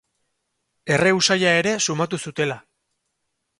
Erre usaia ere sumatu zutela.